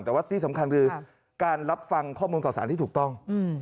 แต่ว่าที่สำคัญคือการรับฟังข้อมูลข่าวสารที่ถูกต้อง